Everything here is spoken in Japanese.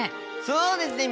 そうですね！